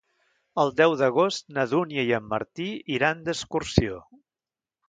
El deu d'agost na Dúnia i en Martí iran d'excursió.